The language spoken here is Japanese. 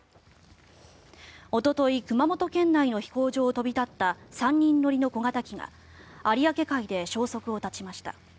おととい熊本県内の飛行場を飛び立った３人乗りの小型機が有明海で消息を絶ちました。